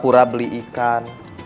pura pura beli ikan